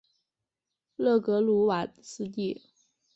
勒克鲁瓦斯蒂。